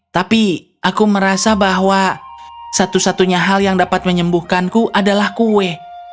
tapi aku merasa bahwa satu satunya hal yang dapat menyembuhkanku adalah kue